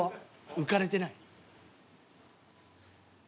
浮かれてない。